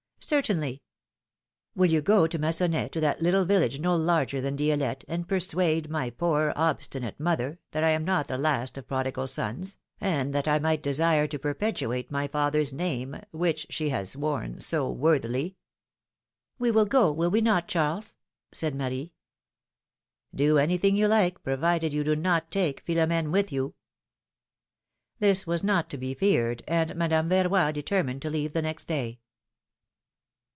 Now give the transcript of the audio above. Certainly." ^^Will you go to Ma5onnais, to that little village no larger than Di^lette, and persuade my poor, obstinate mother that I am not the last of prodigal sons, and that I might desire to perpetuate my father's name, which she has worn so worthily !" We will go, will we not, Charles? " said Marie. '^Do anything you like, provided you do not take Philom^ne with you." This was not to be feared, and Madame Verroy deter mined to leave the next day.